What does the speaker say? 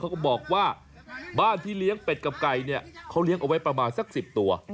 ก็บอกว่าบ้านที่เลี้ยงเป็ดกับไก่เนี่ยเขาเลี้ยงเอาไว้ประมาณสัก๑๐ตัว